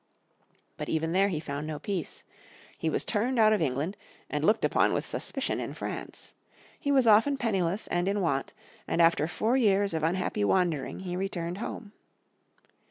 But even there he found no peace. He was turned out of England, and looked upon with suspicion in France. He was often penniless and in want, and after four years of unhappy wandering he returned home.